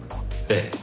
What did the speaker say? ええ。